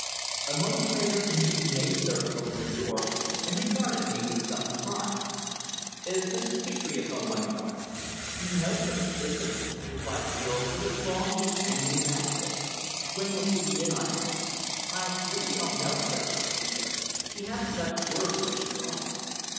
A moment later a neat maid servant opened the door, and regarded me with some surprise. "Is Mrs. Petre at home?" I inquired. "No, sir, she isn't," replied the girl with a strong East Anglian accent. "When will she be in?" I asked. "I really don't know, sir," she said. "She hasn't left word where she's gone."